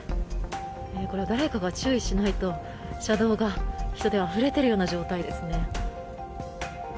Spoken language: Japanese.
これは誰かが注意しないと車道が人であふれているような状態ですね。